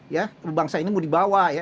ya bangsa ini mau dibawa ya